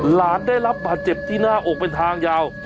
หลานได้รับบาดเจ็บที่หน้าอกเป็นทางยาว